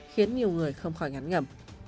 khiến nhiều người không khỏi ngắn ngẩm